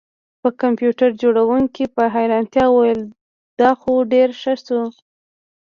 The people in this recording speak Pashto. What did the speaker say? د کمپیوټر جوړونکي په حیرانتیا وویل دا خو ډیر ښه شو